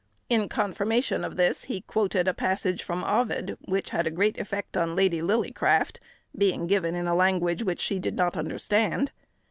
In confirmation of this, he quoted a passage from Ovid, which had a great effect on Lady Lillycraft, being given in a language which she did not understand.